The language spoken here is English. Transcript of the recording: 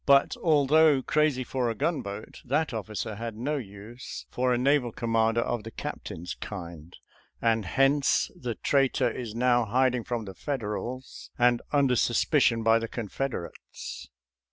But although crazy for a gunboat, that officer had no use for a naval commander of the Captain's kind, and hence the traitor is now hiding from the Federals, and under suspicion by the Confederates.